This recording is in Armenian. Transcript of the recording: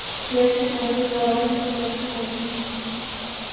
Երգի դասեր է առել օտարերկրյա հայտնի երգիչներից։